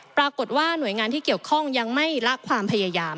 ปรากฏว่าหน่วยงานที่เกี่ยวข้องยังไม่ละความพยายาม